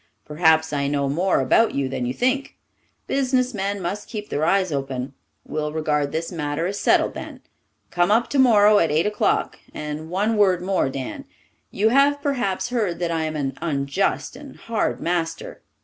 Perhaps I know more about you than you think. Businessmen must keep their eyes open. We'll regard this matter as settled then. Come up tomorrow at eight o'clock. And one word more, Dan. You have perhaps heard that I am an unjust and hard master.